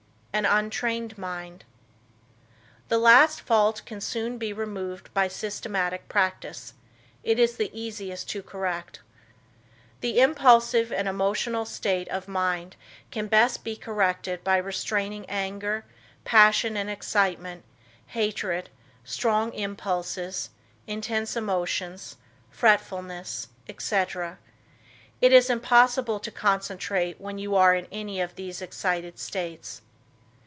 "An untrained mind." The last fault can soon be removed by systematic practice. It is easiest to correct. The impulsive and emotional state of mind can best be corrected by restraining anger, passion and excitement, hatred, strong impulses, intense emotions, fretfulness, etc. It is impossible to concentrate when you are in any of these excited states.